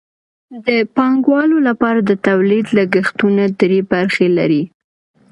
د پانګوالو لپاره د تولید لګښتونه درې برخې لري